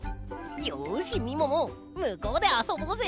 よしみももむこうであそぼうぜ。